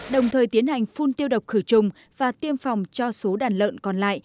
đồng thời tiến hành phun tiêu độc khử trùng và tiêm phòng cho số đàn lợn còn lại